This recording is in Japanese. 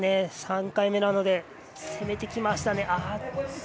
３回目なので攻めてきましたね。